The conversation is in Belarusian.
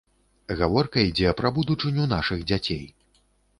Гаворка ідзе пра будучыню нашых дзяцей.